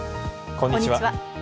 こんにちは。